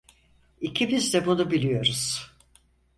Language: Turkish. İkimiz de bunu biliyoruz.